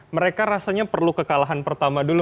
mereka rasanya perlu kekalahan pertama dulu